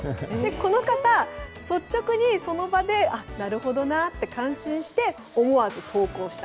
この方、率直にその場で、なるほどなと感心して思わず投稿した。